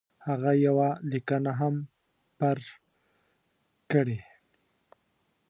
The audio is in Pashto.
هغه یوه لیکنه هم پر کړې.